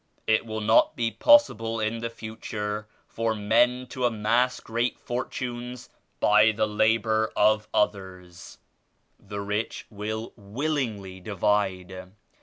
"It will not be possible in the future for men to amass great fortunes by the labor of others. The rich will willingly divide.